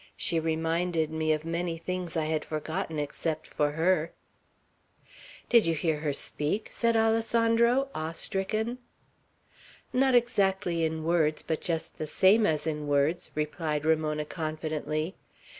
She reminded me of many things I had forgotten, except for her." "Did you hear her speak?" said Alessandro, awe stricken. "Not exactly in words; but just the same as in words," replied Ramona, confidently.